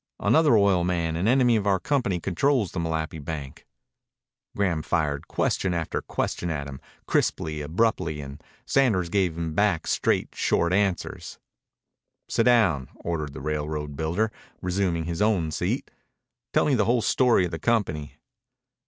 "Another oil man, an enemy of our company, controls the Malapi bank." Graham fired question after question at him, crisply, abruptly, and Sanders gave him back straight, short answers. "Sit down," ordered the railroad builder, resuming his own seat. "Tell me the whole story of the company."